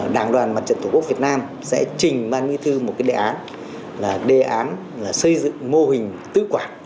đảng đoàn mặt trận tổ quốc việt nam sẽ trình ban mỹ thư một cái đề án là đề án xây dựng mô hình tứ quản